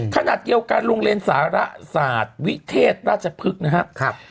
ขนาดเกี่ยวกันโรงเรียนสหรัฐวิเทศราชพฤกษ์นะครับ